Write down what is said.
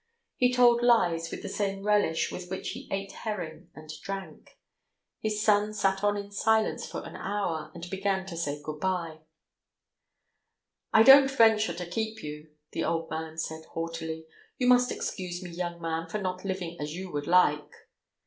He told lies with the same relish with which he ate herring and drank. His son sat on in silence for an hour, and began to say good bye. "I don't venture to keep you," the old man said, haughtily. "You must excuse me, young man, for not living as you would like!"